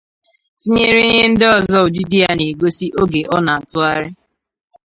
tinyere ihe ndị ọzọ ụdịdị ya na-egosi oge ọ na-atụgharị.